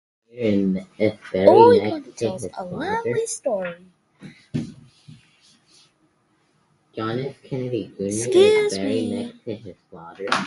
It encompasses north-western Balvanera and north-eastern Almagro.